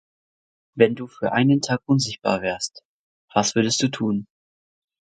Wenn Du für einen Tag unsichtbar wärst, was würdest Du tun?